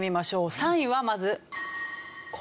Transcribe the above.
３位はまず。